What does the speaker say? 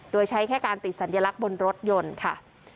โดยใช้แค่การติดสัญลักษณ์บนรถยนต์ค่ะ